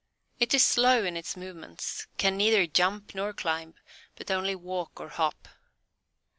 It is slow in its movements, can neither jump nor climb, but only walk or hop.